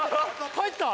入った？